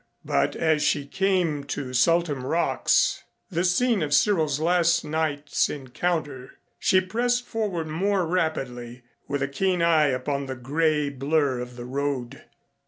But as she came to Saltham Rocks, the scene of Cyril's last night's encounter, she pressed forward more rapidly with a keen eye upon the gray blur of the road.